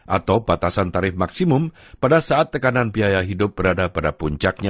atau batasan tarif maksimum pada saat tekanan biaya hidup berada pada puncaknya